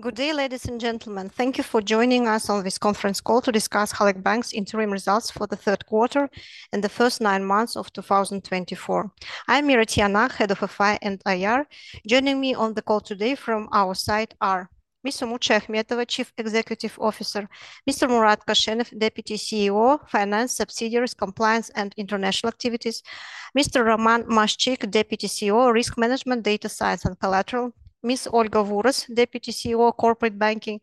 Good day, ladies and gentlemen. Thank you for joining us on this conference call to discuss Halyk Bank's interim results for the third quarter and the first nine months of 2024. I'm Mira Kasenova, Head of FI and IR. Joining me on the call today from our side are: Ms. Umut Shayakhmetova, Chief Executive Officer; Mr. Murat Koshenov, Deputy CEO, Finance, Subsidiaries, Compliance, and International Activities; Mr. Roman Maszczyk, Deputy CEO, Risk Management, Data Science, and Collateral; Ms. Olga Vuros, Deputy CEO, Corporate Banking.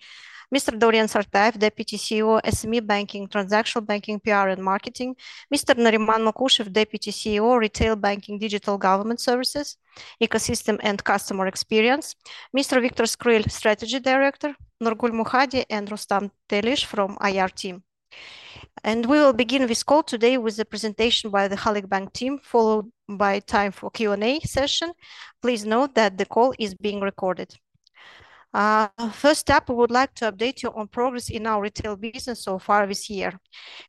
Mr. Dauren Sartayev, Deputy CEO, SME Banking, Transactional Banking, PR, and Marketing; Mr. Nariman Mukushev, Deputy CEO, Retail Banking, Digital Government Services, Ecosystem, and Customer Experience; Mr. Viktor Skryl, Strategy Director; Nurgul Mukhadi; and Rustam Telish from IR team, and we will begin this call today with a presentation by the Halyk Bank team, followed by a time for Q&A session. Please note that the call is being recorded. First up, we would like to update you on progress in our retail business so far this year.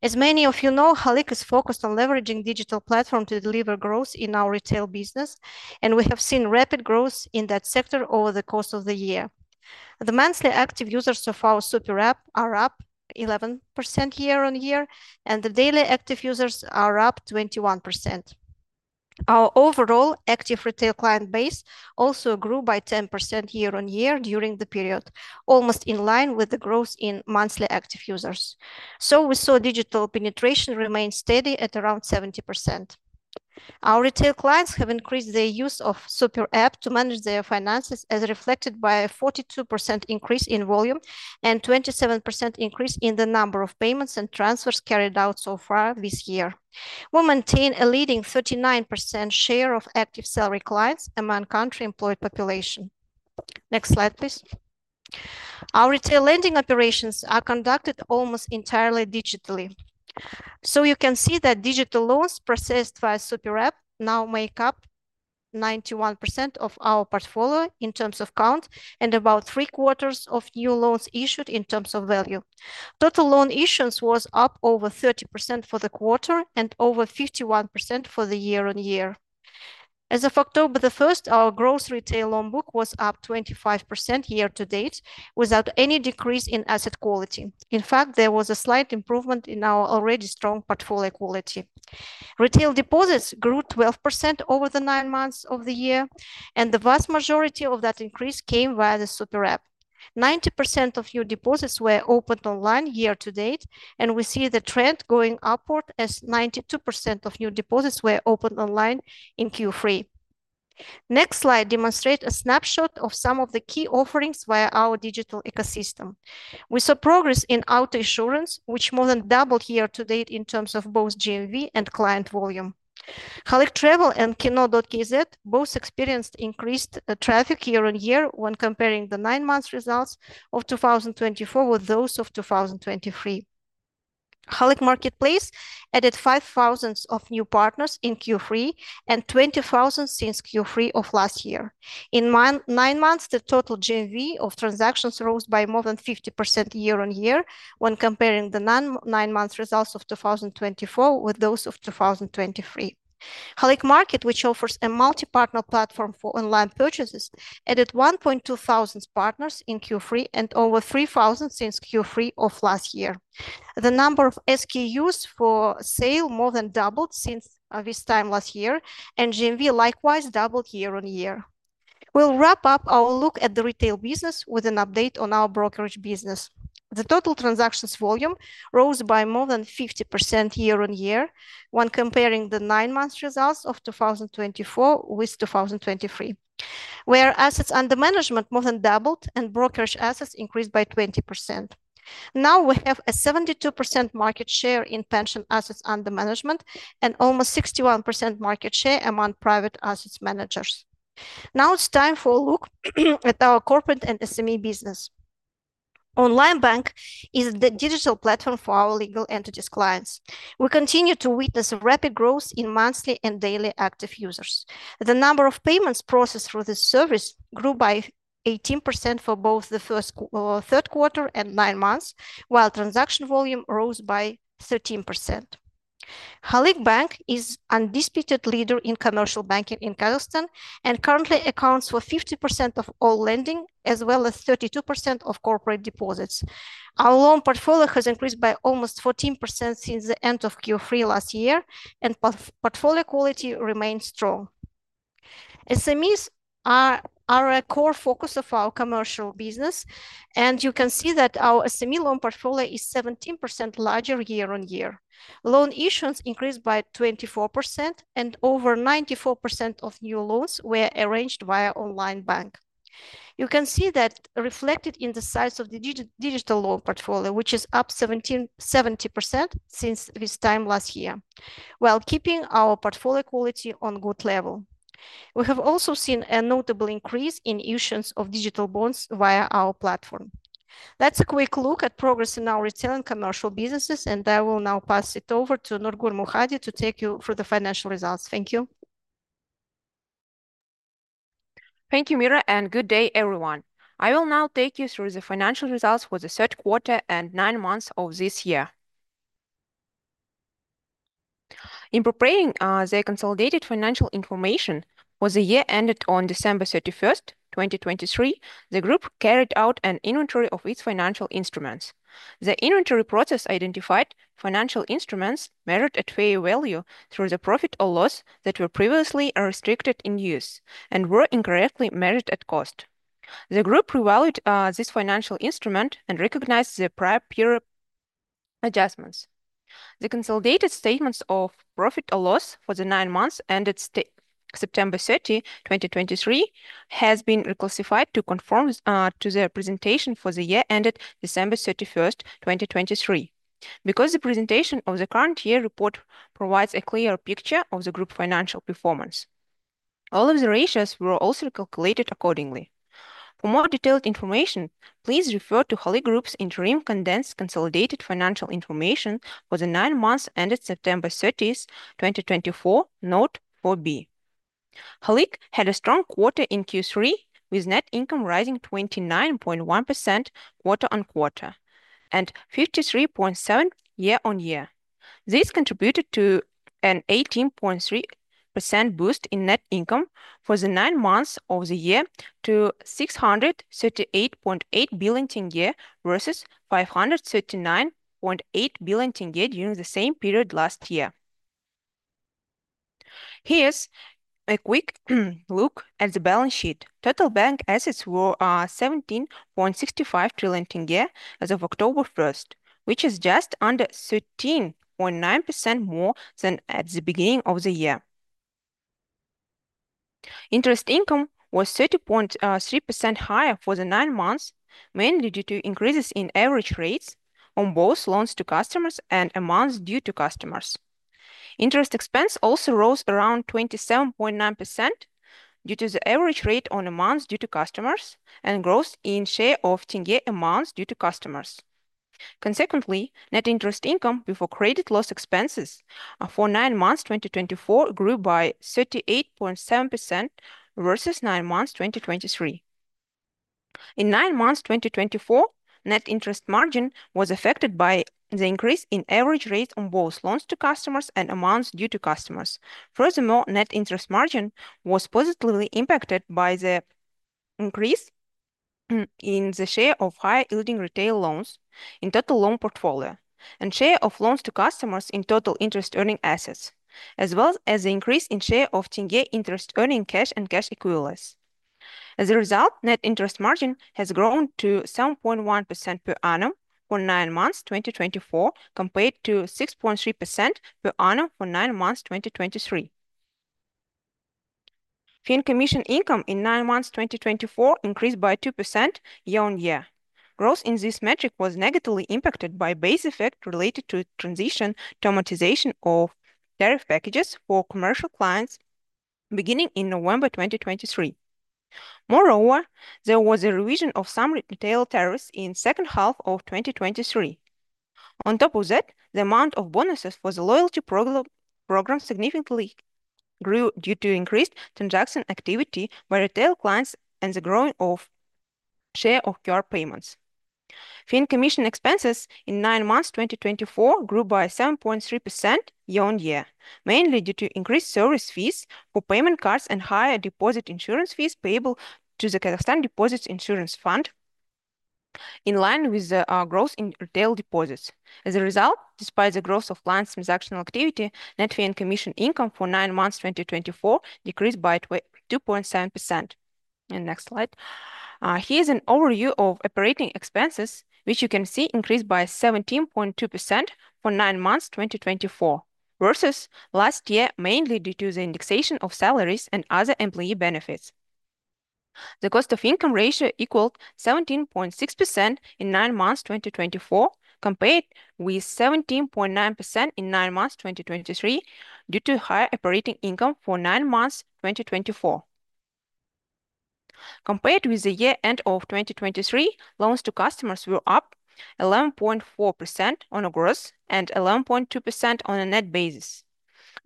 As many of you know, Halyk is focused on leveraging digital platforms to deliver growth in our retail business, and we have seen rapid growth in that sector over the course of the year. The monthly active users of our super app are up 11% year-on-year, and the daily active users are up 21%. Our overall active retail client base also grew by 10% year-on-year during the period, almost in line with the growth in monthly active users. So we saw digital penetration remain steady at around 70%. Our retail clients have increased their use of the super app to manage their finances, as reflected by a 42% increase in volume and a 27% increase in the number of payments and transfers carried out so far this year. We maintain a leading 39% share of active salary clients among the country's employed population. Next slide, please. Our retail lending operations are conducted almost entirely digitally. So you can see that digital loans processed via the super app now make up 91% of our portfolio in terms of count and about three-quarters of new loans issued in terms of value. Total loan issuance was up over 30% for the quarter and over 51% for the year-on-year. As of October the 1st, our gross retail loan book was up 25% year-to-date without any decrease in asset quality. In fact, there was a slight improvement in our already strong portfolio quality. Retail deposits grew 12% over the nine months of the year, and the vast majority of that increase came via the super app. 90% of new deposits were opened online year-to-date, and we see the trend going upward as 92% of new deposits were opened online in Q3. Next slide demonstrates a snapshot of some of the key offerings via our digital ecosystem. We saw progress in auto insurance, which more than doubled year-to-date in terms of both GMV and client volume. Halyk Travel and Kino.kz both experienced increased traffic year-on-year when comparing the nine-month results of 2024 with those of 2023. Halyk Marketplace added 5,000 new partners in Q3 and 20,000 since Q3 of last year. In nine months, the total GMV of transactions rose by more than 50% year-on-year when comparing the nine-month results of 2024 with those of 2023. Halyk Market, which offers a multi-partner platform for online purchases, added 1,200 partners in Q3 and over 3,000 since Q3 of last year. The number of SKUs for sale more than doubled since this time last year, and GMV likewise doubled year-on-year. We'll wrap up our look at the retail business with an update on our brokerage business. The total transactions volume rose by more than 50% year-on-year when comparing the nine-month results of 2024 with 2023, where assets under management more than doubled and brokerage assets increased by 20%. Now we have a 72% market share in pension assets under management and almost 61% market share among private assets managers. Now it's time for a look at our corporate and SME business. Onlinebank is the digital platform for our legal entities clients. We continue to witness rapid growth in monthly and daily active users. The number of payments processed through this service grew by 18% for both the first three quarters and nine months, while transaction volume rose by 13%. Halyk Bank is an undisputed leader in commercial banking in Kazakhstan and currently accounts for 50% of all lending, as well as 32% of corporate deposits. Our loan portfolio has increased by almost 14% since the end of Q3 last year, and portfolio quality remains strong. SMEs are a core focus of our commercial business, and you can see that our SME loan portfolio is 17% larger year-on-year. Loan issuance increased by 24%, and over 94% of new loans were arranged via online bank. You can see that reflected in the size of the digital loan portfolio, which is up 70% since this time last year, while keeping our portfolio quality on a good level. We have also seen a notable increase in issuance of digital bonds via our platform. Let's take a quick look at progress in our retail and commercial businesses, and I will now pass it over to Nurgul Mukhadi to take you through the financial results. Thank you. Thank you, Mira, and good day, everyone. I will now take you through the financial results for the third quarter and nine months of this year. In preparing the consolidated financial information for the year ended on December 31, 2023, the group carried out an inventory of its financial instruments. The inventory process identified financial instruments measured at fair value through the profit or loss that were previously restricted in use and were incorrectly measured at cost. The group revalued this financial instrument and recognized the prior adjustments. The consolidated statements of profit or loss for the nine months ended September 30, 2023, have been reclassified to conform to the presentation for the year ended December 31, 2023, because the presentation of the current year report provides a clear picture of the group's financial performance. All of the ratios were also calculated accordingly. For more detailed information, please refer to Halyk Group's interim condensed consolidated financial information for the nine months ended September 30, 2024, Note 4B. Halyk had a strong quarter in Q3, with net income rising 29.1% quarter on quarter and 53.7% year-on-year. This contributed to an 18.3% boost in net income for the nine months of the year to KZT 638.8 billion versus KZT 539.8 billion during the same period last year. Here's a quick look at the balance sheet. Total bank assets were KZT 17.65 trillion as of October 1, which is just under 13.9% more than at the beginning of the year. Interest income was 30.3% higher for the nine months, mainly due to increases in average rates on both loans to customers and amounts due to customers. Interest expense also rose around 27.9% due to the average rate on amounts due to customers and growth in share of tenge amounts due to customers. Consequently, net interest income before credit loss expenses for nine months 2024 grew by 38.7% versus nine months 2023. In nine months 2024, net interest margin was affected by the increase in average rates on both loans to customers and amounts due to customers. Furthermore, net interest margin was positively impacted by the increase in the share of high-yielding retail loans in total loan portfolio and share of loans to customers in total interest-earning assets, as well as the increase in share of tenge interest-earning cash and cash equivalents. As a result, net interest margin has grown to 7.1% per annum for nine months 2024, compared to 6.3% per annum for nine months 2023. and commission income in nine months 2024 increased by 2% year-on-year. Growth in this metric was negatively impacted by base effect related to transition automation of tariff packages for commercial clients beginning in November 2023. Moreover, there was a revision of some retail tariffs in the second half of 2023. On top of that, the amount of bonuses for the loyalty program significantly grew due to increased transaction activity by retail clients and the growing share of QR payments. Fee and commission expenses in nine months 2024 grew by 7.3% year-on-year, mainly due to increased service fees for payment cards and higher deposit insurance fees payable to the Kazakhstan Deposit Insurance Fund, in line with the growth in retail deposits. As a result, despite the growth of client transactional activity, net fee and commission income for nine months 2024 decreased by 2.7%, and next slide. Here's an overview of operating expenses, which you can see increased by 17.2% for nine months 2024 versus last year, mainly due to the indexation of salaries and other employee benefits. The cost-to-income ratio equaled 17.6% in nine months 2024, compared with 17.9% in nine months 2023 due to higher operating income for nine months 2024. Compared with the year-end of 2023, loans to customers were up 11.4% on a gross and 11.2% on a net basis.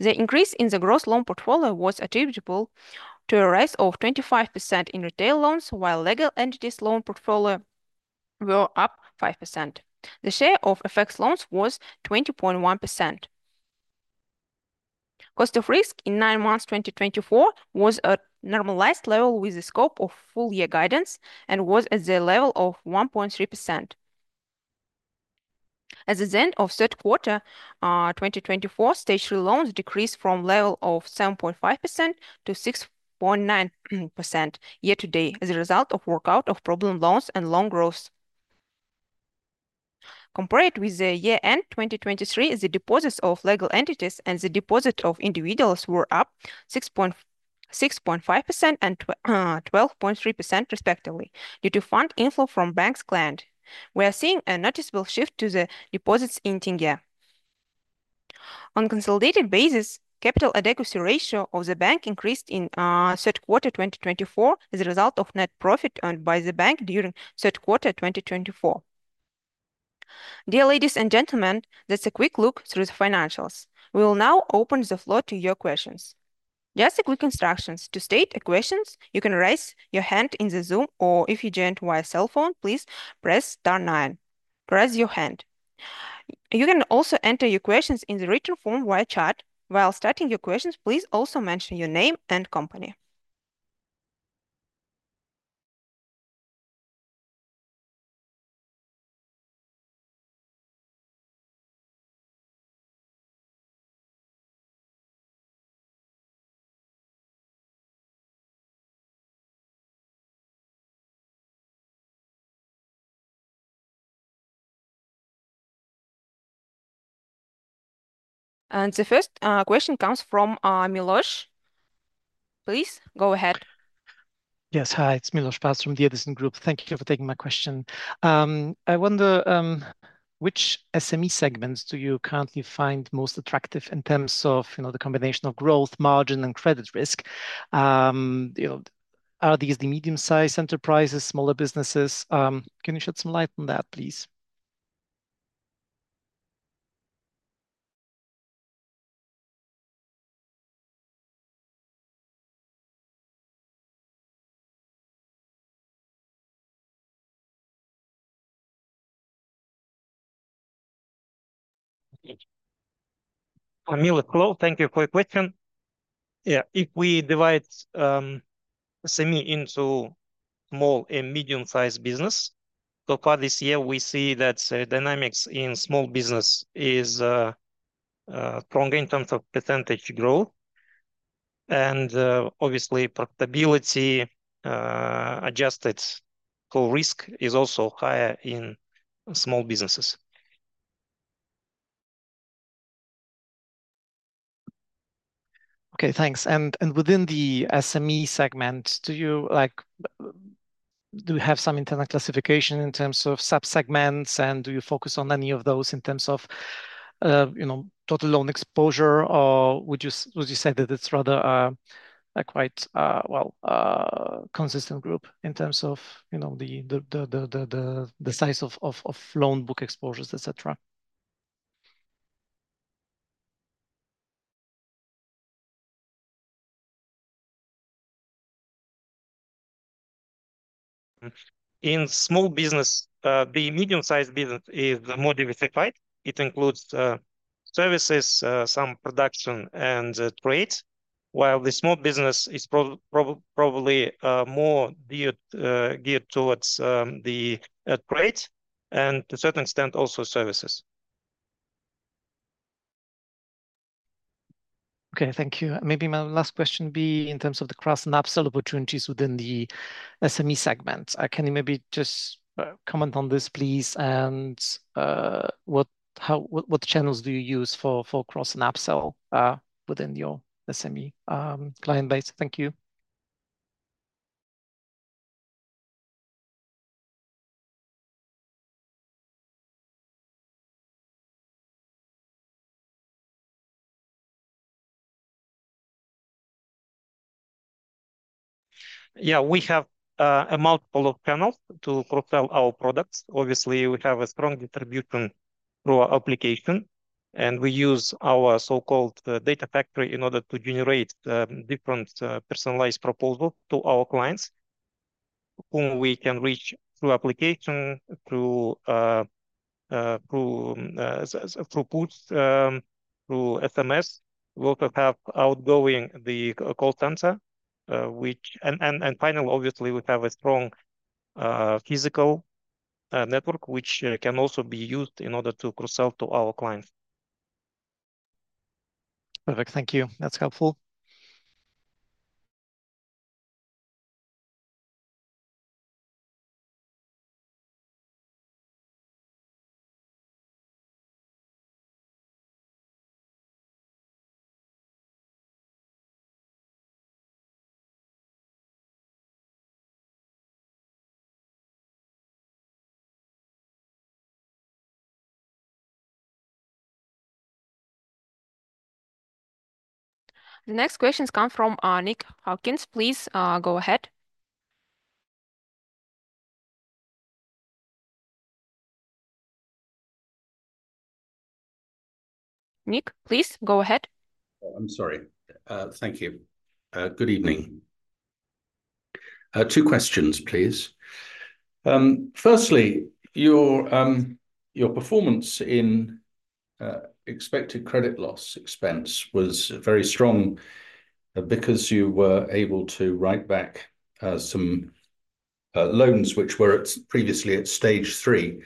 The increase in the gross loan portfolio was attributable to a rise of 25% in retail loans, while legal entities loan portfolio were up 5%. The share of FX loans was 20.1%. Cost of risk in nine months 2024 was at a normalized level with the scope of full year guidance and was at the level of 1.3%. At the end of third quarter 2024, Stage 3 loans decreased from a level of 7.5% to 6.9% year-to-date as a result of the workout of problem loans and loan growth. Compared with the year-end 2023, the deposits of legal entities and the deposits of individuals were up 6.5% and 12.3%, respectively, due to fund inflow from the bank's clients. We are seeing a noticeable shift to the deposits in tenge. On a consolidated basis, Capital adequacy ratio of the bank increased in third quarter 2024 as a result of net profit earned by the bank during third quarter 2024. Dear ladies and gentlemen, that's a quick look through the financials. We will now open the floor to your questions. Just a quick instruction. To state a question, you can raise your hand in the Zoom, or if you joined via cell phone, please press star nine. Raise your hand. You can also enter your questions in the written form via chat. While stating your questions, please also mention your name and company. The first question comes from Milosz. Please go ahead. Yes, hi, it's Milosz Papst from the Edison Group. Thank you for taking my question. I wonder, which SME segments do you currently find most attractive in terms of, you know, the combination of growth, margin, and credit risk? You know, are these the medium-sized enterprises, smaller businesses? Can you shed some light on that, please? Milosz, hello. Thank you for your question. Yeah, if we divide SME into small and medium-sized business, so far this year, we see that dynamics in small business is strong in terms of percentage growth, and obviously, profitability, adjusted for risk, is also higher in small businesses. Okay, thanks. Within the SME segment, do you, like, have some internal classification in terms of subsegments, and do you focus on any of those in terms of, you know, total loan exposure, or would you say that it's rather a quite, well, consistent group in terms of, you know, the size of loan book exposures, etc.? In small business, the medium-sized business is more diversified. It includes services, some production, and trade, while the small business is probably more geared towards the trade, and to a certain extent, also services. Okay, thank you. Maybe my last question would be in terms of the cross-and-upsell opportunities within the SME segment. Can you maybe just comment on this, please, and, what, how, what channels do you use for, for cross-and-upsell within your SME, client base? Thank you. Yeah, we have a multitude of channels to propel our products. Obviously, we have a strong distribution through our application, and we use our so-called data factory in order to generate the different personalized proposals to our clients whom we can reach through application, through apps, through SMS. We also have outgoing call center, and finally, obviously, we have a strong physical network, which can also be used in order to cross-sell to our clients. Perfect, thank you. That's helpful. The next questions come from Nick Hawkins. Please, go ahead. Nick, please go ahead. I'm sorry. Thank you. Good evening. Two questions, please. Firstly, your performance in expected credit loss expense was very strong, because you were able to write back some loans which were previously at Stage 3.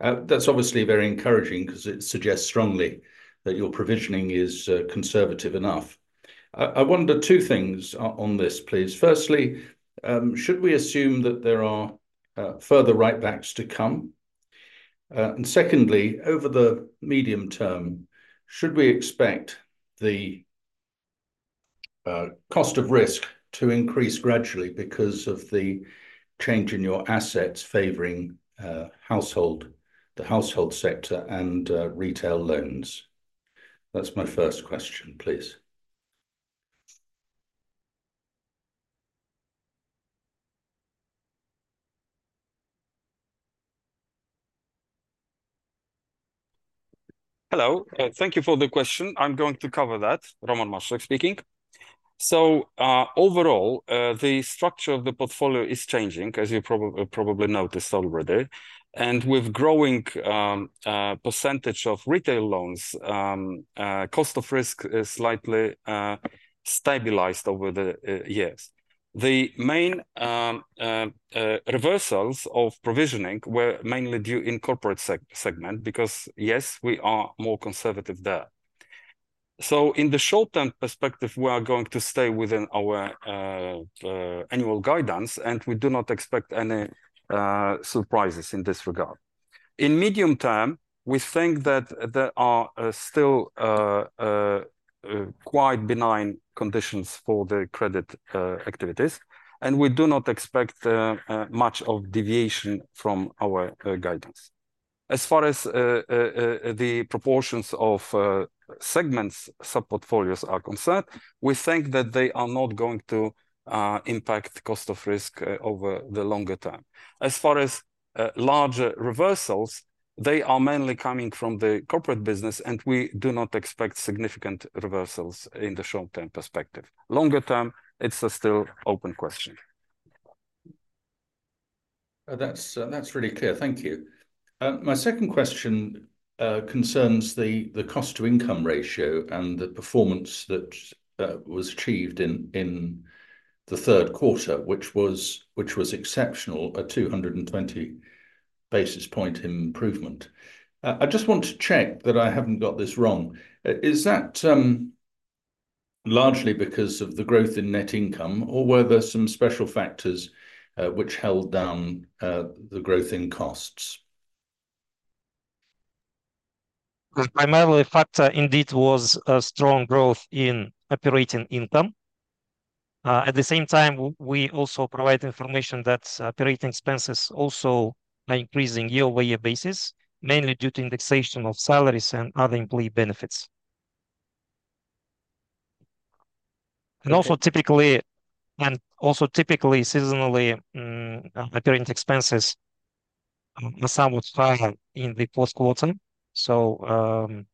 That's obviously very encouraging because it suggests strongly that your provisioning is conservative enough. I wonder two things on this, please. Firstly, should we assume that there are further write-backs to come? And secondly, over the medium term, should we expect the cost of risk to increase gradually because of the change in your assets favoring the household sector and retail loans? That's my first question, please. Hello, thank you for the question. I'm going to cover that. Roman Maszczyk speaking. So, overall, the structure of the portfolio is changing, as you probably noticed already, and with growing percentage of retail loans, cost of risk is slightly stabilized over the years. The main reversals of provisioning were mainly due in the corporate segment because, yes, we are more conservative there. So, in the short-term perspective, we are going to stay within our annual guidance, and we do not expect any surprises in this regard. In medium term, we think that there are still quite benign conditions for the credit activities, and we do not expect much of deviation from our guidance. As far as the proportions of segments sub-portfolios are concerned, we think that they are not going to impact cost of risk over the longer term. As far as larger reversals, they are mainly coming from the corporate business, and we do not expect significant reversals in the short-term perspective. Longer term, it's still an open question. That's really clear. Thank you. My second question concerns the cost-to-income ratio and the performance that was achieved in the third quarter, which was exceptional, a 220 basis point improvement. I just want to check that I haven't got this wrong. Is that largely because of the growth in net income, or were there some special factors which held down the growth in costs? The primary factor indeed was a strong growth in operating income. At the same time, we also provide information that operating expenses also are increasing year-over-year basis, mainly due to indexation of salaries and other employee benefits, and also typically seasonally, operating expenses are somewhat higher in the fourth quarter. So,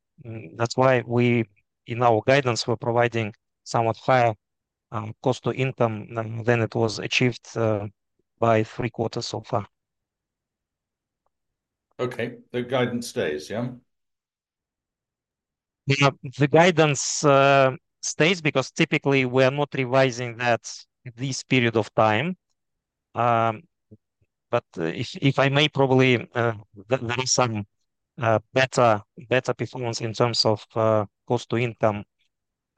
that's why we in our guidance were providing somewhat higher cost-to-income than it was achieved by three quarters so far. Okay, the guidance stays, yeah? Yeah, the guidance stays because typically we are not revising that this period of time. But if I may, probably there is some better performance in terms of cost-to-income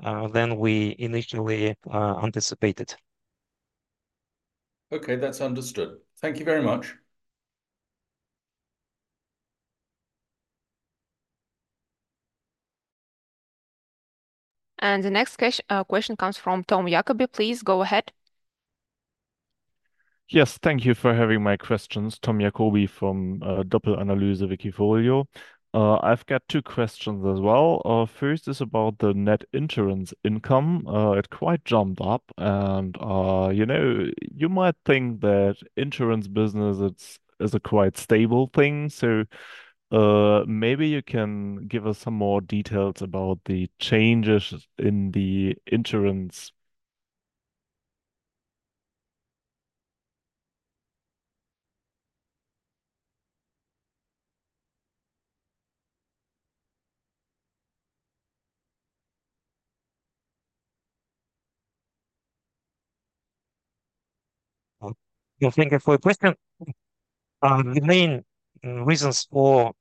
than we initially anticipated. Okay, that's understood. Thank you very much. The next question comes from Tom Jakobi. Please go ahead. Yes, thank you for having my questions, Tom Jakobi from Doppel Analyse Wikifolio. I've got two questions as well. First is about the net insurance income. It quite jumped up, and, you know, you might think that insurance business is a quite stable thing. So, maybe you can give us some more details about the changes in the insurance. Yeah, thank you for the question. The main reasons for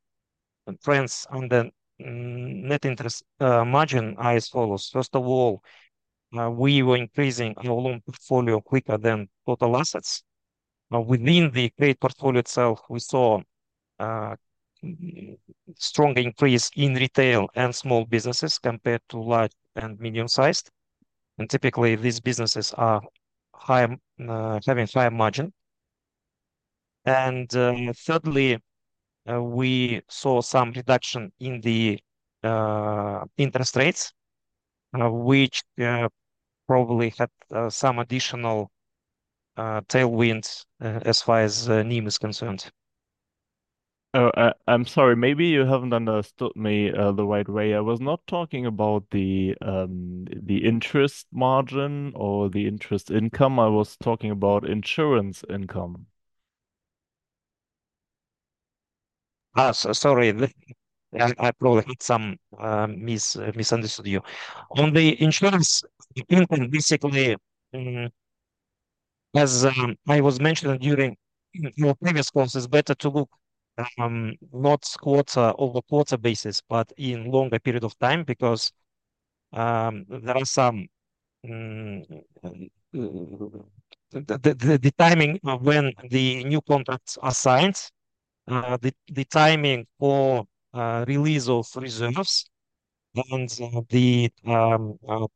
trends on the net interest margin are as follows. First of all, we were increasing our loan portfolio quicker than total assets. Within the trade portfolio itself, we saw strong increase in retail and small businesses compared to large and medium-sized. Typically, these businesses are high, having higher margin. And thirdly, we saw some reduction in the interest rates, which probably had some additional tailwinds as far as NIM is concerned. Oh, I'm sorry, maybe you haven't understood me the right way. I was not talking about the interest margin or the interest income. I was talking about insurance income. Sorry, I probably misunderstood you. On the insurance income, basically, as I was mentioning during the previous call, it's better to look not quarter-over-quarter basis, but in a longer period of time because there are some the timing when the new contracts are signed, the timing for release of reserves and the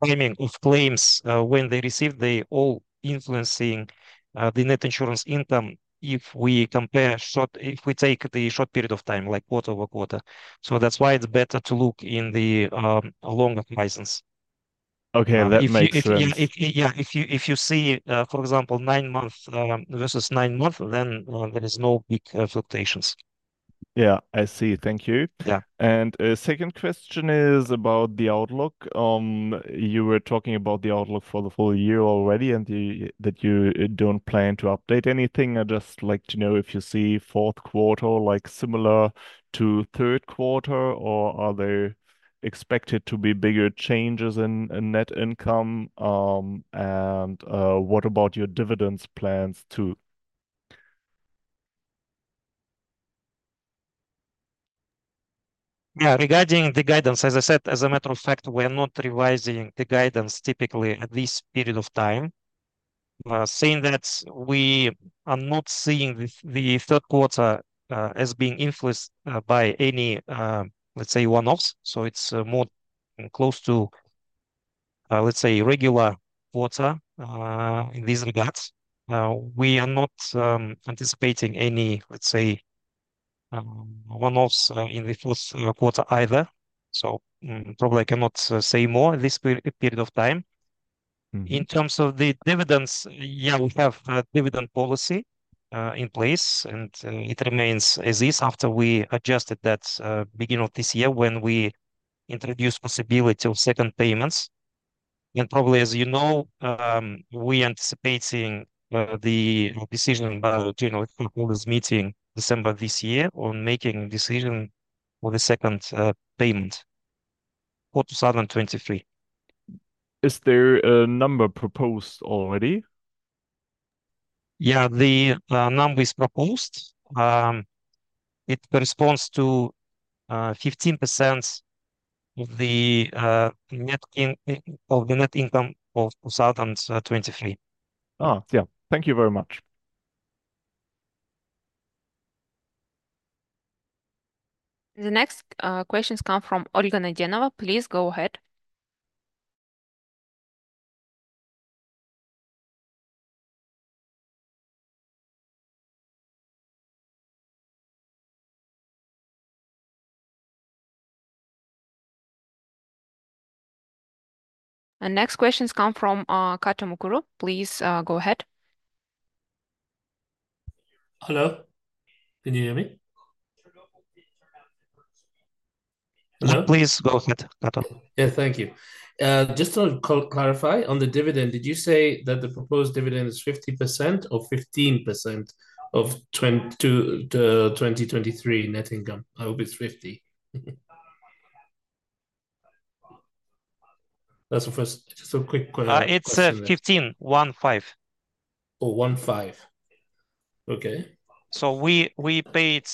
timing of claims, when they receive, they all influencing the net insurance income if we compare short, if we take the short period of time, like quarter-over-quarter. So that's why it's better to look in the longer horizons. Okay, that makes sense. Yeah, if you see, for example, nine months versus nine months, then there is no big fluctuations. Yeah, I see. Thank you. Yeah. A second question is about the outlook. You were talking about the outlook for the full year already, and you that you don't plan to update anything. I'd just like to know if you see fourth quarter, like, similar to third quarter, or are there expected to be bigger changes in net income? And what about your dividends plans too? Yeah, regarding the guidance, as I said, as a matter of fact, we are not revising the guidance typically at this period of time, saying that we are not seeing the third quarter as being influenced by any, let's say, one-offs. So it's more close to, let's say, regular quarter, in this regard. We are not anticipating any, let's say, one-offs in the fourth quarter either. So probably I cannot say more at this period of time. In terms of the dividends, yeah, we have a dividend policy in place, and it remains as is after we adjusted that beginning of this year when we introduced possibility of second payments. And probably, as you know, we are anticipating the decision by the General Shareholders' Meeting December this year on making a decision for the second payment for 2023. Is there a number proposed already? Yeah, the number is proposed. It corresponds to 15% of the net income of 2023. Yeah, thank you very much. The next questions come from Olga Naydenova. Please go ahead. The next questions come from Kato Mukuru. Please go ahead. Hello, can you hear me? Please go ahead, Kato. Yeah, thank you. Just to clarify on the dividend, did you say that the proposed dividend is 50% or 15% of 2023 net income? I hope it's 50. That's the first, just a quick question. It's 3:15 P.M. Oh, 15. Okay. So we paid,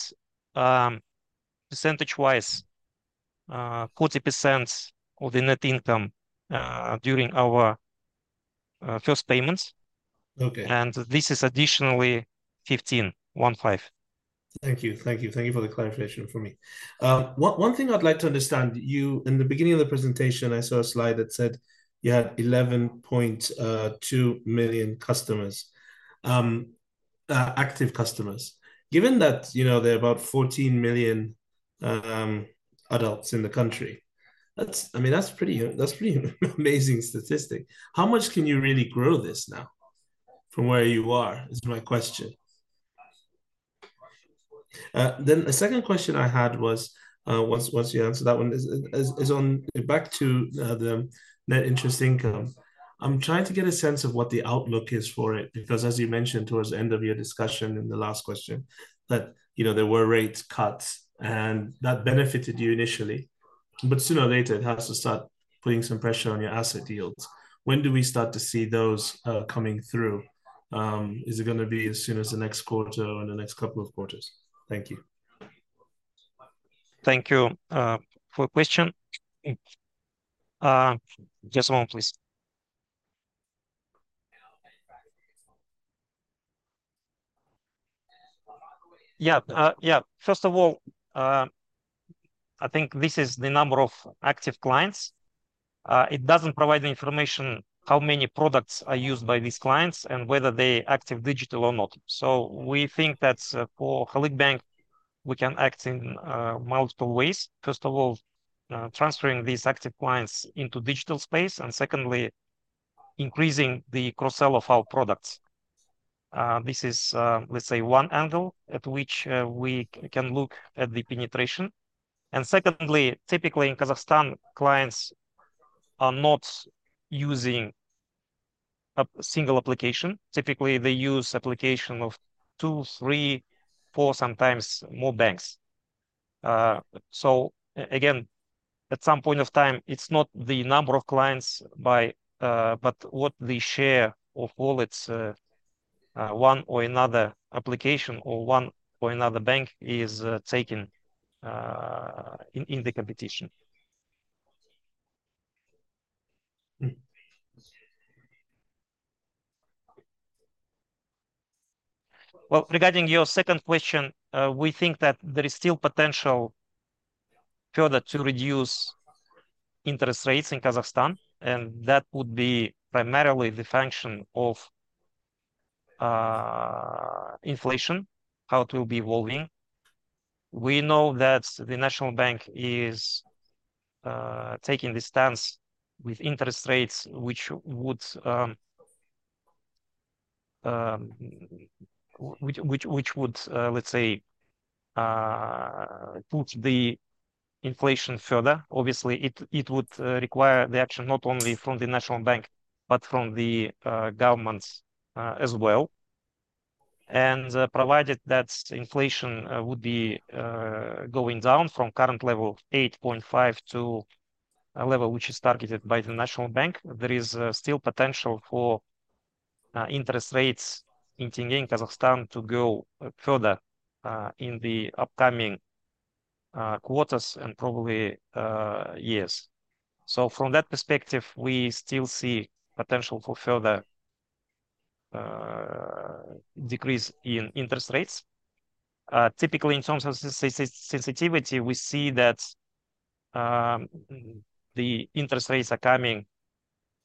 percentage-wise, 40% of the net income, during our first payments. Okay. This is additionally 15, 15. Thank you. Thank you for the clarification for me. One thing I'd like to understand, in the beginning of the presentation, I saw a slide that said you had 11.2 million active customers. Given that, you know, there are about 14 million adults in the country, that's, I mean, that's pretty amazing statistic. How much can you really grow this now from where you are is my question. The second question I had was, once you answer that one, is back to the net interest income. I'm trying to get a sense of what the outlook is for it because, as you mentioned towards the end of your discussion in the last question, that, you know, there were rate cuts and that benefited you initially, but sooner or later it has to start putting some pressure on your asset yields. When do we start to see those coming through? Is it going to be as soon as the next quarter or in the next couple of quarters? Thank you. Thank you for the question. Just a moment, please. Yeah, yeah. First of all, I think this is the number of active clients. It doesn't provide information how many products are used by these clients and whether they're active digital or not. So we think that for Halyk Bank, we can act in multiple ways. First of all, transferring these active clients into digital space, and secondly, increasing the cross-sell of our products. This is, let's say, one angle at which we can look at the penetration. And secondly, typically in Kazakhstan, clients are not using a single application. Typically, they use application of two, three, four, sometimes more banks. So again, at some point of time, it's not the number of clients by, but what the share of all its, one or another application or one or another bank is taking in in the competition. Regarding your second question, we think that there is still potential further to reduce interest rates in Kazakhstan, and that would be primarily the function of inflation, how it will be evolving. We know that the National Bank is taking the stance with interest rates, which would, let's say, put the inflation further. Obviously, it would require the action not only from the National Bank, but from the government, as well. Provided that inflation would be going down from current level 8.5% to a level which is targeted by the National Bank, there is still potential for interest rates in Kazakhstan to go further in the upcoming quarters and probably years. From that perspective, we still see potential for further decrease in interest rates. Typically, in terms of sensitivity, we see that the interest rates are coming.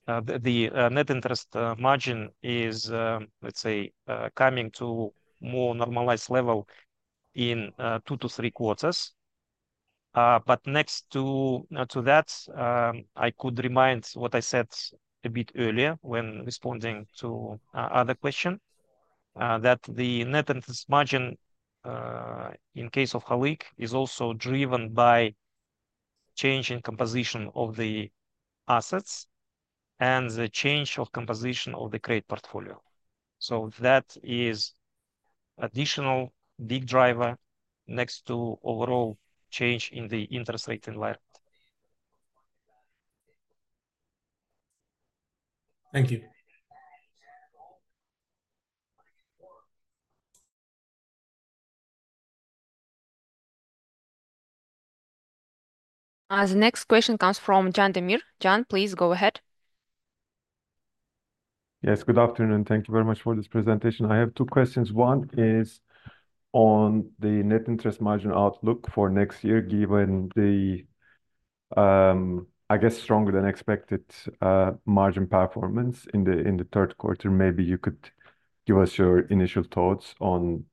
The net interest margin is, let's say, coming to more normalized level in two to three quarters. But next to that, I could remind what I said a bit earlier when responding to other question, that the net interest margin in case of Halyk is also driven by change in composition of the assets and the change of composition of the trade portfolio. So that is an additional big driver next to overall change in the interest rate environment. Thank you. The next question comes from Can Demir. Can, please go ahead. Yes, good afternoon. Thank you very much for this presentation. I have two questions. One is on the net interest margin outlook for next year, given the, I guess, stronger than expected margin performance in the third quarter. Maybe you could give us your initial thoughts on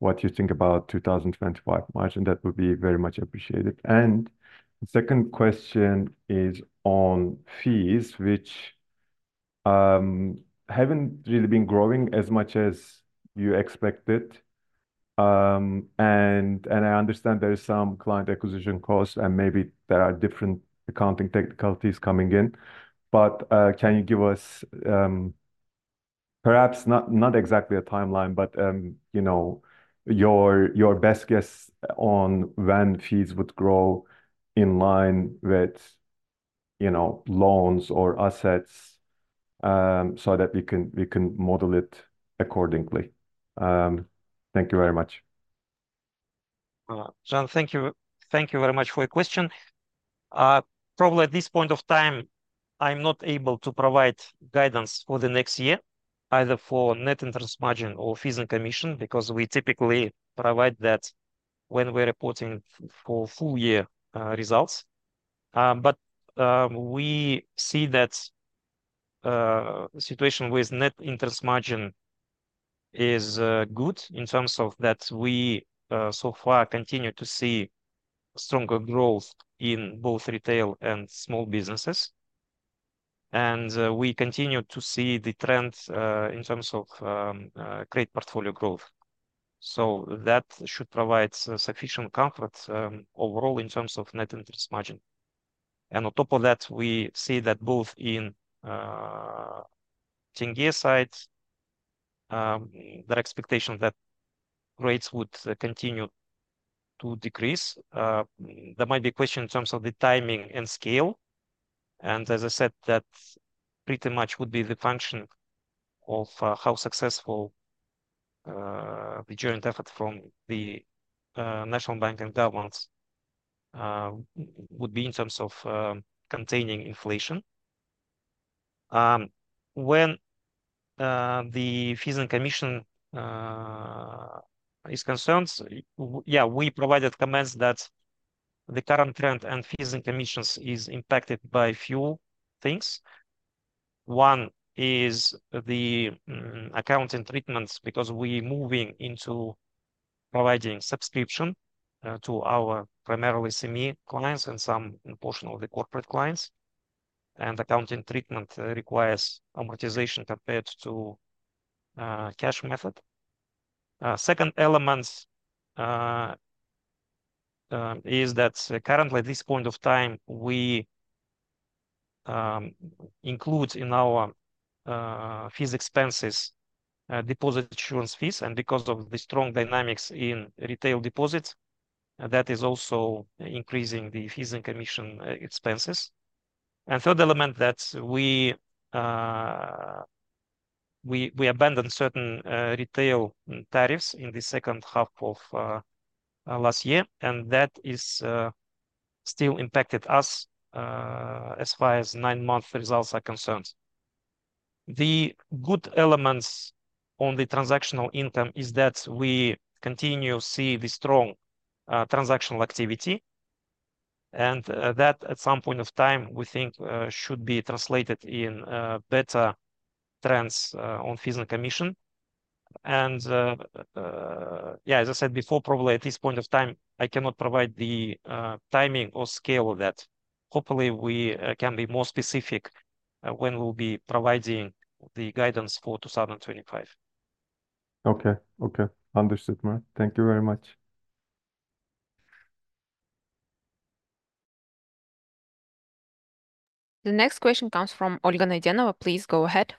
what you think about 2025 margin. That would be very much appreciated. The second question is on fees, which haven't really been growing as much as you expected. And I understand there are some client acquisition costs and maybe there are different accounting technicalities coming in. But can you give us, perhaps not exactly a timeline, but, you know, your best guess on when fees would grow in line with, you know, loans or assets, so that we can model it accordingly? Thank you very much. Can, thank you. Thank you very much for your question. Probably at this point of time, I'm not able to provide guidance for the next year, either for net interest margin or fees and commission, because we typically provide that when we're reporting for full year results, but we see that the situation with net interest margin is good in terms of that we so far continue to see stronger growth in both retail and small businesses. We continue to see the trend in terms of trade portfolio growth, so that should provide sufficient comfort overall in terms of net interest margin, and on top of that, we see that both in 10-year side, the expectation that rates would continue to decrease. There might be a question in terms of the timing and scale. As I said, that pretty much would be the function of how successful the joint effort from the National Bank and governments would be in terms of containing inflation. When the fees and commission is concerned, yeah, we provided comments that the current trend and fees and commissions is impacted by a few things. One is the accounting treatments because we are moving into providing subscription to our primarily SME clients and some portion of the corporate clients. Accounting treatment requires amortization compared to cash method. Second element is that currently at this point of time, we include in our fees expenses deposit insurance fees. And because of the strong dynamics in retail deposits, that is also increasing the fees and commission expenses. And third element that we abandoned certain retail tariffs in the second half of last year. And that is still impacted us, as far as nine-month results are concerned. The good elements on the transactional income is that we continue to see the strong transactional activity. And that at some point of time, we think, should be translated in better trends on fees and commission. And yeah, as I said before, probably at this point of time, I cannot provide the timing or scale of that. Hopefully, we can be more specific when we'll be providing the guidance for 2025. Okay, okay. Understood, Murat. Thank you very much. The next question comes from Olga Naydenova. Please go ahead.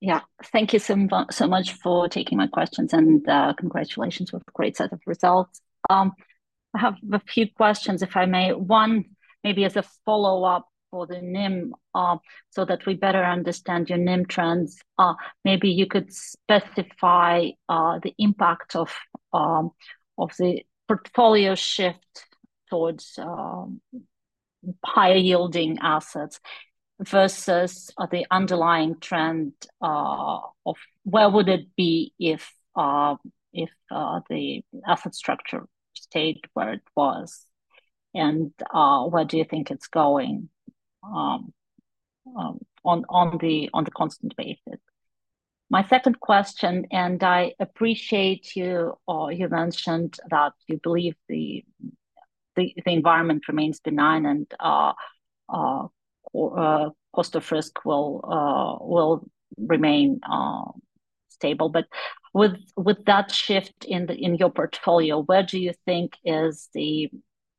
Yeah, thank you so much for taking my questions and congratulations with a great set of results. I have a few questions, if I may. One, maybe as a follow-up for the NIM, so that we better understand your NIM trends. Maybe you could specify the impact of the portfolio shift towards higher yielding assets versus the underlying trend of where would it be if the asset structure stayed where it was? Where do you think it's going on the constant basis? My second question, and I appreciate you mentioned that you believe the environment remains benign and cost of risk will remain stable. But with that shift in your portfolio, where do you think the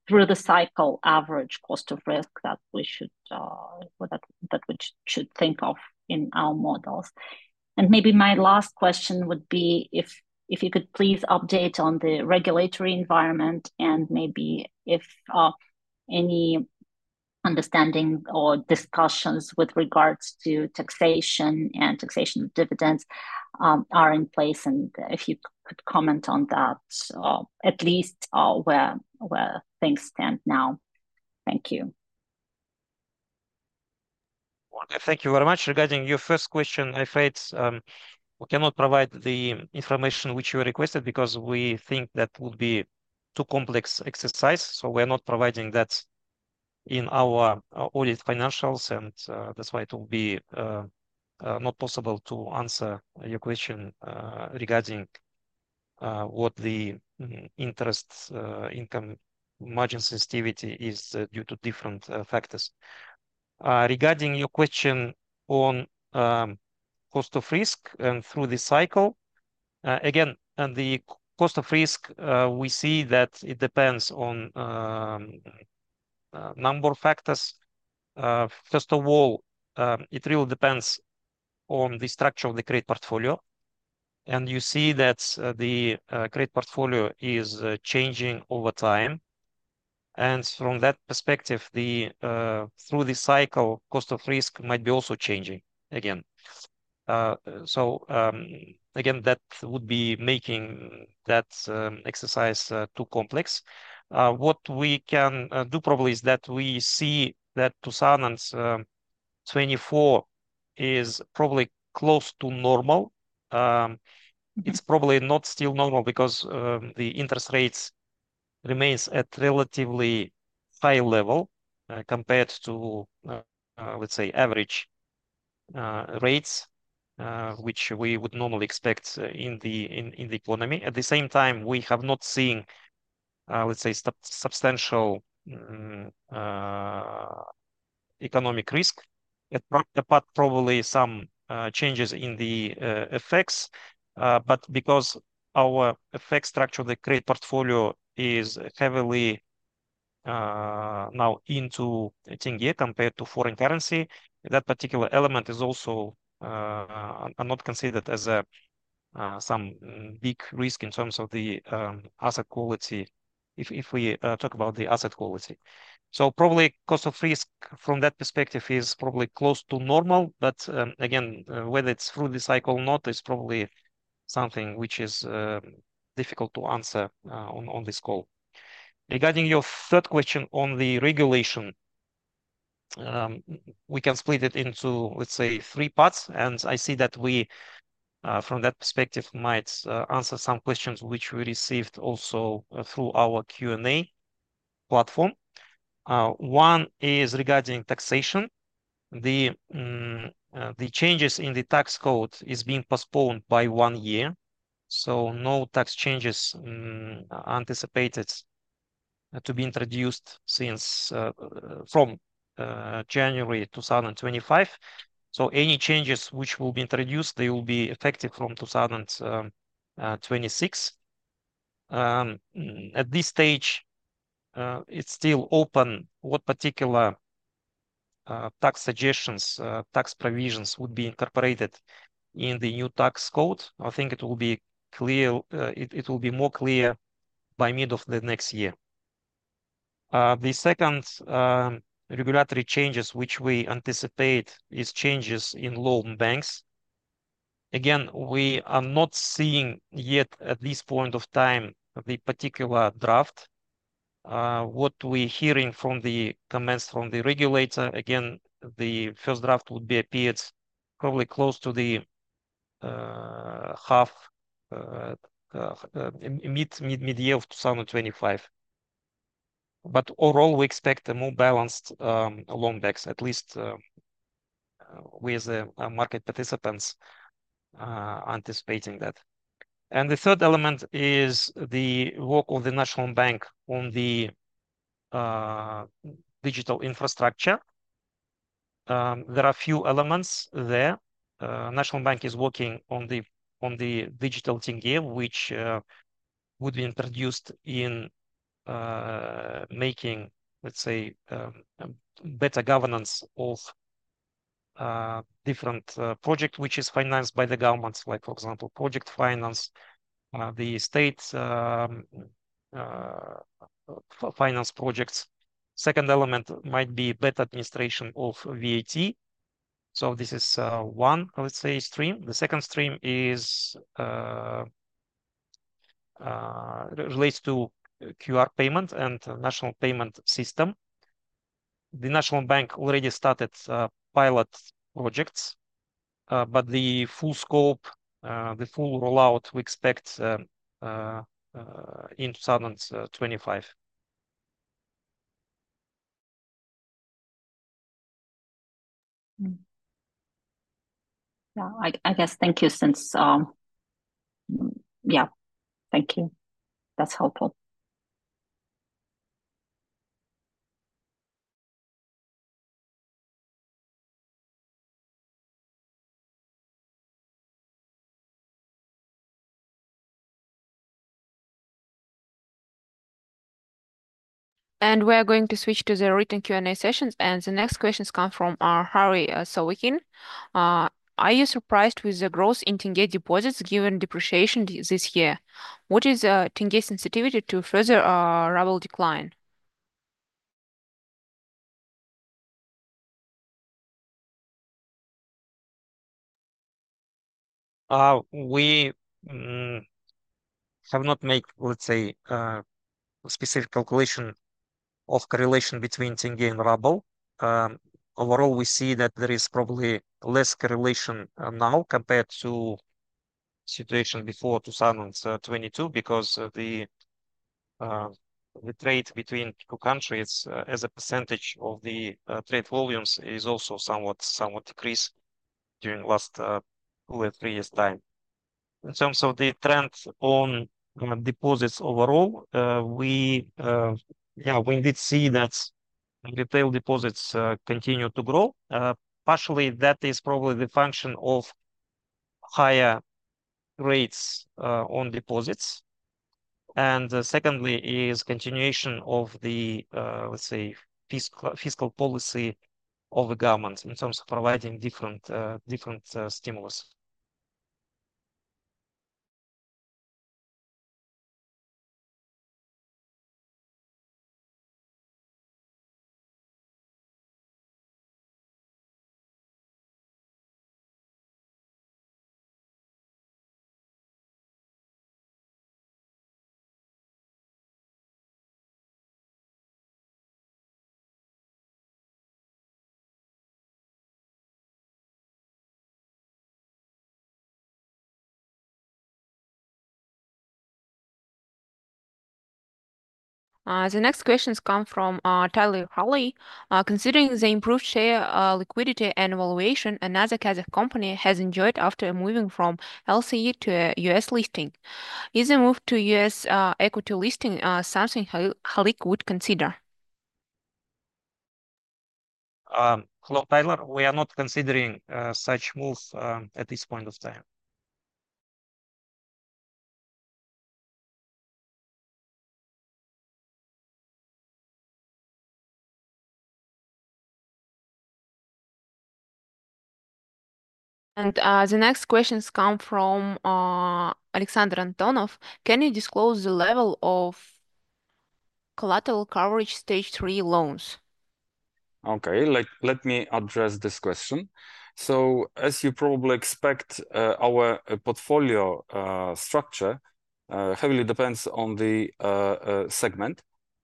through-the-cycle average cost of risk is that we should think of in our models? And maybe my last question would be if you could please update on the regulatory environment and maybe if any understanding or discussions with regards to taxation and taxation of dividends are in place. And if you could comment on that, at least where things stand now. Thank you. Okay, thank you very much. Regarding your first question, well, we cannot provide the information which you requested because we think that would be too complex exercise. So we are not providing that in our audited financials. And that's why it will not be possible to answer your question regarding what the interest income margin sensitivity is due to different factors. Regarding your question on cost of risk and through the cycle, again, and the cost of risk, we see that it depends on number of factors. First of all, it really depends on the structure of the credit portfolio. And you see that the credit portfolio is changing over time. And from that perspective, the through the cycle cost of risk might be also changing again. So again, that would be making that exercise too complex. What we can do probably is that we see that 2024 is probably close to normal. It's probably not still normal because the interest rates remain at relatively high level, compared to, let's say, average rates, which we would normally expect in the economy. At the same time, we have not seen, let's say, substantial economic risk, apart probably some changes in the FX. But because our FX structure of the trade portfolio is heavily now into tenge compared to foreign currency, that particular element is also not considered as a some big risk in terms of the asset quality if we talk about the asset quality. So probably cost of risk from that perspective is probably close to normal. But, again, whether it's through the cycle or not is probably something which is difficult to answer on this call. Regarding your third question on the regulation, we can split it into, let's say, three parts. And I see that we, from that perspective, might answer some questions which we received also through our Q&A platform. One is regarding taxation. The changes in the tax code are being postponed by one year. So no tax changes anticipated to be introduced from January 2025. So any changes which will be introduced, they will be effective from 2026. At this stage, it's still open what particular tax suggestions, tax provisions would be incorporated in the new tax code. I think it will be clear, it will be more clear by mid of the next year. The second, regulatory changes which we anticipate are changes in loan banks. Again, we are not seeing yet at this point of time the particular draft. What we're hearing from the comments from the regulator, again, the first draft would appear probably close to the mid-year of 2025. But overall, we expect a more balanced loan book, at least, with the market participants anticipating that. And the third element is the work of the National Bank on the digital infrastructure. There are a few elements there. National Bank is working on the digital tenge, which would be introduced in making, let's say, better governance of different projects which are financed by the government, like, for example, project finance, the state finance projects. Second element might be better administration of VAT. So this is one, let's say, stream. The second stream relates to QR payment and national payment system. The National Bank already started pilot projects, but the full scope, the full rollout we expect in 2025. Yeah, I guess. Thank you. Yeah, thank you. That's helpful. And we are going to switch to the written Q&A sessions. And the next questions come from our Harry Sawikin. Are you surprised with the growth in 10-year deposits given depreciation this year? What is the 10-year sensitivity to further ruble decline? We have not made, let's say, a specific calculation of the correlation between the 10-year and the ruble. Overall, we see that there is probably less correlation now compared to the situation before 2022 because the trade between two countries as a percentage of the trade volumes is also somewhat decreased during the last two or three years' time. In terms of the trend on deposits overall, we yeah, we did see that retail deposits continue to grow. Partially, that is probably the function of higher rates on deposits, and secondly is the continuation of the, let's say, fiscal policy of the government in terms of providing different stimulus. The next questions come from Tally Hulley. Considering the improved share liquidity and valuation, another KZF company has enjoyed after moving from LSE to a U.S. listing. Is a move to U.S. equity listing something Halyk would consider? Hello, Taylor. We are not considering such move at this point of time. The next questions come from Alexander Antonov. Can you disclose the level of collateral coverage Stage 3 loans? Okay, let me address this question. So, as you probably expect, our portfolio structure heavily depends on the segment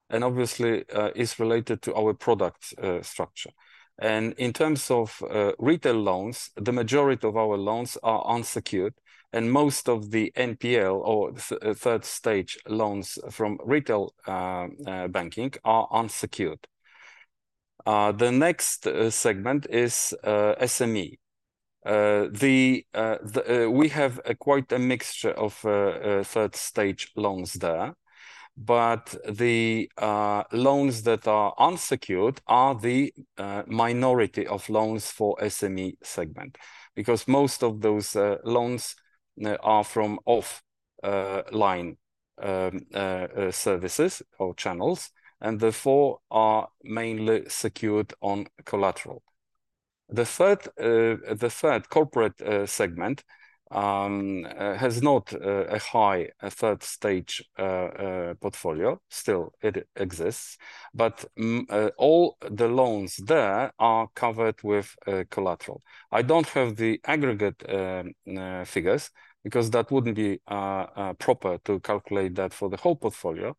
and obviously is related to our product structure, and in terms of retail loans, the majority of our loans are unsecured, and most of the NPL or third stage loans from retail banking are unsecured. The next segment is SME. We have quite a mixture of third stage loans there, but the loans that are unsecured are the minority of loans for SME segment because most of those loans are from offline services or channels, and they are mainly secured on collateral. The third corporate segment has not a high third stage portfolio. Still, it exists, but all the loans there are covered with collateral. I don't have the aggregate figures because that wouldn't be proper to calculate that for the whole portfolio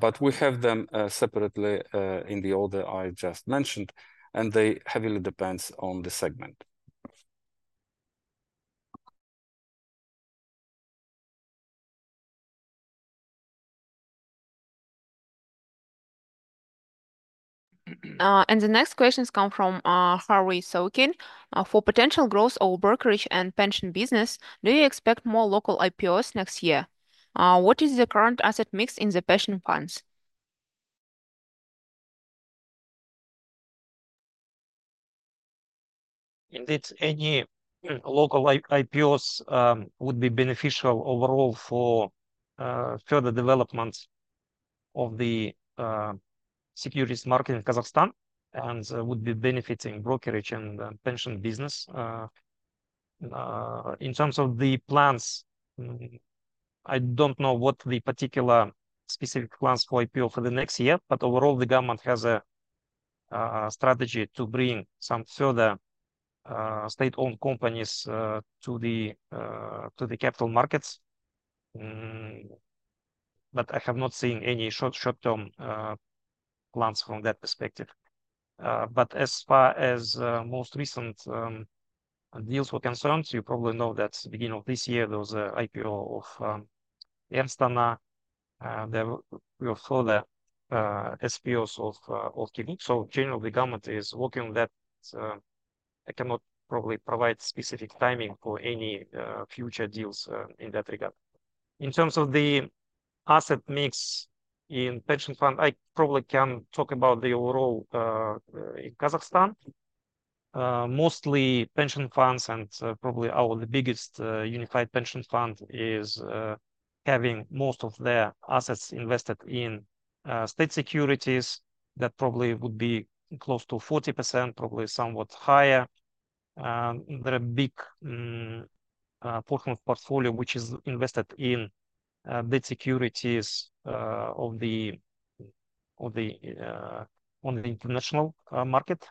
but we have them, separately, in the order I just mentioned, and they heavily depend on the segment. And the next questions come from Harry Sokin. For potential growth or brokerage and pension business, do you expect more local IPOs next year? What is the current asset mix in the pension funds? Indeed, any local IPOs would be beneficial overall for further development of the securities market in Kazakhstan and would be benefiting brokerage and pension business. In terms of the plans, I don't know what the particular specific plans for IPO for the next year, but overall, the government has a strategy to bring some further state-owned companies to the capital markets. But I have not seen any short-term plans from that perspective. But as far as most recent deals were concerned, you probably know that at the beginning of this year, there was an IPO of Air Astana. There were further SPOs of KEGOC. So generally, the government is working on that. I cannot probably provide specific timing for any future deals in that regard. In terms of the asset mix in pension fund, I probably can talk about the overall in Kazakhstan. Mostly pension funds and probably our biggest unified pension fund is having most of their assets invested in state securities. That probably would be close to 40%, probably somewhat higher. There is a big portion of the portfolio which is invested in debt securities of those on the international market,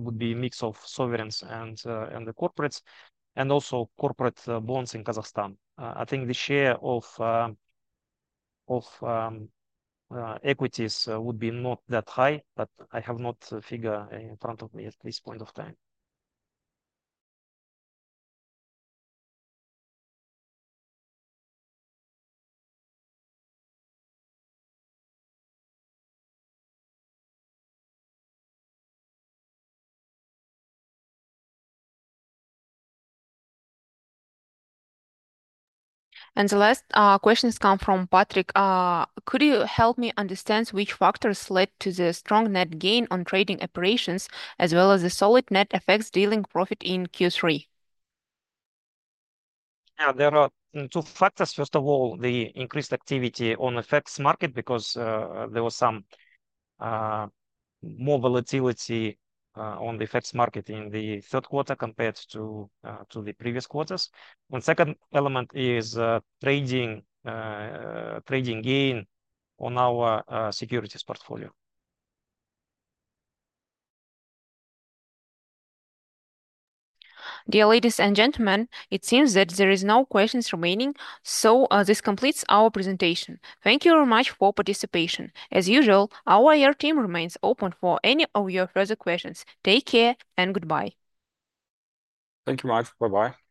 would be a mix of sovereigns and the corporates and also corporate bonds in Kazakhstan. I think the share of equities would be not that high, but I have not a figure in front of me at this point of time. The last questions come from Patrick. Could you help me understand which factors led to the strong net gain on trading operations as well as the solid net FX dealing profit in Q3? Yeah, there are two factors. First of all, the increased activity on the FX market because there was some more volatility on the FX market in the third quarter compared to the previous quarters. And second element is trading gain on our securities portfolio. Dear ladies and gentlemen, it seems that there are no questions remaining, so this completes our presentation. Thank you very much for participation. As usual, our IR team remains open for any of your further questions. Take care and goodbye. Thank you, Mira. Bye-bye.